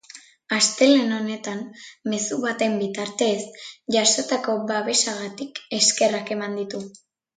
Astelehen honetan, mezu baten bitartez, jasotako babesagatik eskerrak eman ditu.